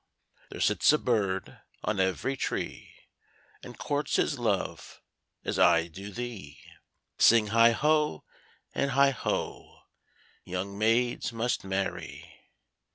There sits a bird on every tree, And courts his love as I do thee; Sing heigh ho, and heigh ho! Young maids must marry.